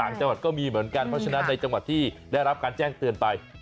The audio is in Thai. จังหวัดก็มีเหมือนกันเพราะฉะนั้นในจังหวัดที่ได้รับการแจ้งเตือนไป